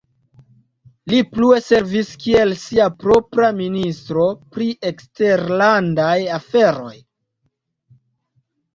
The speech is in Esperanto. Li plue servis kiel sia propra Ministro pri eksterlandaj aferoj.